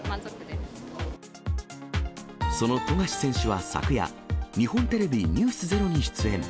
その富樫選手は昨夜、日本テレビｎｅｗｓｚｅｒｏに出演。